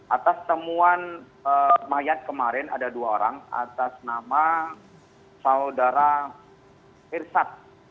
atas temuan mayat kemarin ada dua orang atas nama saudara irsat